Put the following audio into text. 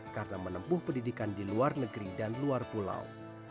karena menempuh pendidikan di luar negeri dan luar pulau